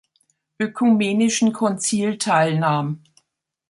Ökumenischen Konzil teilnahm.